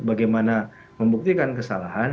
bagaimana membuktikan kesalahan